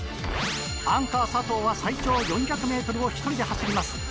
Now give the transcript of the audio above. アンカー佐藤は最長４００ｍを１人で走ります。